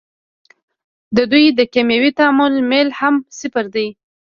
د دوی د کیمیاوي تعامل میل هم صفر دی.